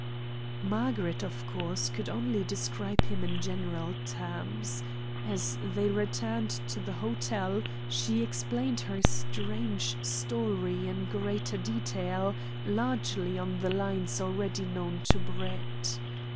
Margaret, of course, could only describe him in general terms. As they returned to the hotel she explained her strange story in greater detail, largely on the lines already known to Brett.